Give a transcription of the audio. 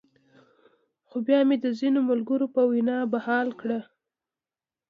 خو بيا مې د ځينې ملګرو پۀ وېنا بحال کړۀ -